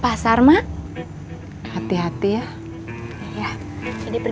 ya terimakasih ya bapak pembeli